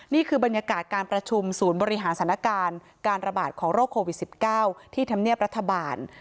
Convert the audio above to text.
นี่คือบรรยากาศการประชุมศูนย์บริหารสถานการณ์การระบาดของโรคโควิด๑๙ที่ธรรมเนียบรัฐบาล